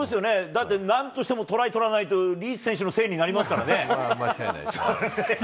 だって、なんとしてもトライ取らないと、リーチ選手のせいになりますからね。